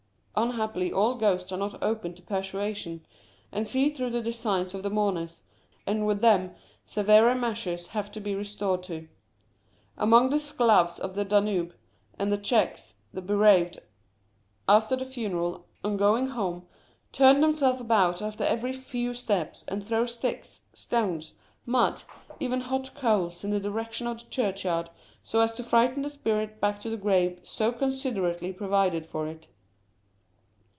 Unhappily all ghosts are not open to persuasion, and see through the designs of the mourners, and with them severer measures have to be resorted to. Among the Sclavs of the Danube and the Czechs, the bereaved, after the funeral, on going home turn themselves about after every few steps and throw sticks, stones, mud, even hot coals in the direction of the churchyard, so as to frighten the spirit back to the grave so considerately provided for it.